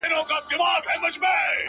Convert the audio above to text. • خدايه له بـهــاره روانــېــږمه ـ